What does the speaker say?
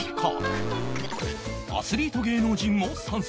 アスリート芸能人も参戦